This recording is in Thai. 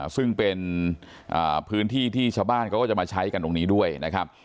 ซึ่งเป็นพื้นที่ที่ชาวบ้านเขาก็จะมาใช้กันตรงนี้ด้วยนะครับ